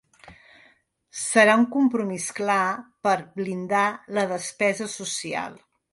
Serà un compromís clar per blindar la despesa social.